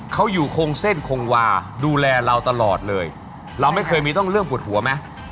เขาอยู่คงเส้นคงวาดูแลเราตลอดเลยเราไม่เคยมีต้องเริ่มปวดหัวไหม